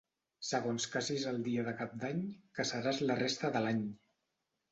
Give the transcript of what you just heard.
Segons cacis el dia de Cap d'Any, caçaràs la resta de l'any.